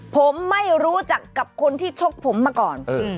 ผมไม่รู้จักกับคนที่ชกผมมาก่อน